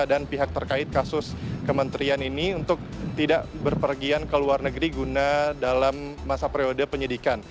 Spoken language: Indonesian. dan pihak terkait kasus kementerian ini untuk tidak berpergian ke luar negeri guna dalam masa periode penyidikan